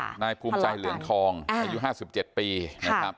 ทัลลอกกันนายภูมิใจเหลืองทองอายุห้าสิบเจ็ดปีนะครับ